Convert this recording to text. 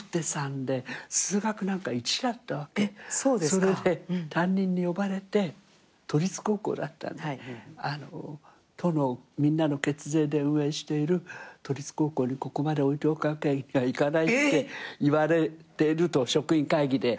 それで担任に呼ばれて都立高校だったんで「都のみんなの血税で運営している都立高校にここまで置いておくわけにはいかない」って言われてると職員会議で。